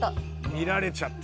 見られちゃったよ。